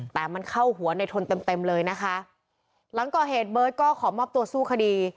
แต่มันเข้าหัวในทนเต็มเต็มเลยนะคะหลังก่อเหตุเบิร์ตก็ขอมอบตัวสู้คดี